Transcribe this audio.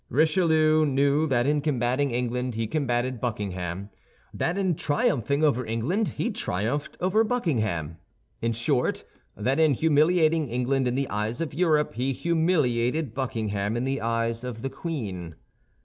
Richelieu knew that in combating England he combated Buckingham; that in triumphing over England he triumphed over Buckingham—in short, that in humiliating England in the eyes of Europe he humiliated Buckingham in the eyes of the queen.